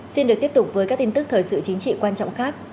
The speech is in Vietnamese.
xin được tiếp tục với các tin tức thời sự chính trị quan trọng khác